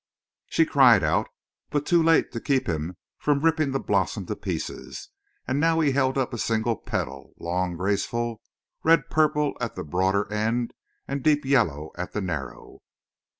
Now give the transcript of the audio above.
She cried out, but too late to keep him from ripping the blossom to pieces, and now he held up a single petal, long, graceful, red purple at the broader end and deep yellow at the narrow.